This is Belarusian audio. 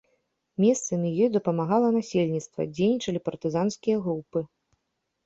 Месцамі ёй дапамагала насельніцтва, дзейнічалі партызанскія групы.